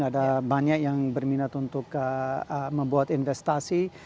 ada banyak yang berminat untuk membuat investasi